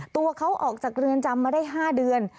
ตัวเขาออกจากเรือนจำมาได้๕เดือน